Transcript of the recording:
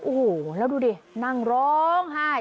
โอ้โหแล้วดูดินั่งร้องไห้